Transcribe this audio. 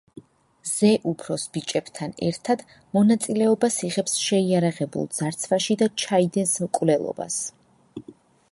ზე უფროს ბიჭებთან ერთად მონაწილეობას იღებს შეიარაღებულ ძარცვაში და ჩაიდენს მკვლელობას.